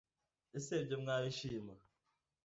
ese ibyo mwabishima?